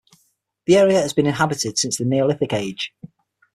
The area has been inhabited since the neolithic age.